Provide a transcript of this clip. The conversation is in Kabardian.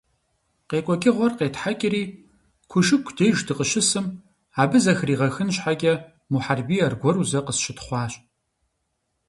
КъекӀуэкӀыгъуэр къетхьэкӀри, Кушыку деж дыкъыщысым, абы зэхригъэхын щхьэкӀэ, Мухьэрбий аргуэру зэ къысщытхъуащ.